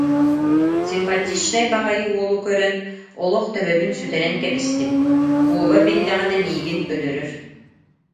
Симпатичнай баҕайы уолу көрөн, олох төбөбүн сүтэрэн кэбистим, Вова биллэҕинэ миигин өлөрөр